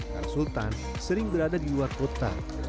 karena sultan sering berada di luar kota